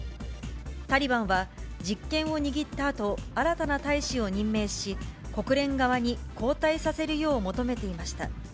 タリバンは、実権を握ったあと、新たな大使を任命し、国連側に交代させるよう求めていました。